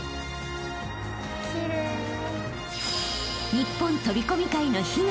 ［日本飛込界の悲願］